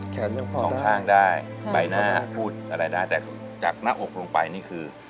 แขนยังพอได้ส่องข้างได้ใบหน้าอุดอะไรนะแต่จากหน้าอกลงไปนี่คือ